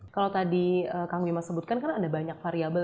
kalau tadi kang bima sebutkan kan ada banyak variable